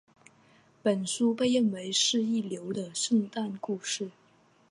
本书被认为是一流的圣诞故事。